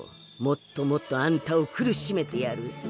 もっともっとあんたを苦しめてやる。